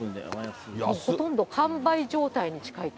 もうほとんど完売状態に近いと。